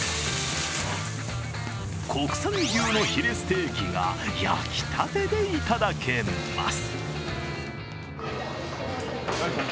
国産牛のヒレステーキが焼きたてでいただけます。